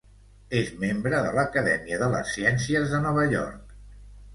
És membre de l'Acadèmia de les Ciències de Nova York.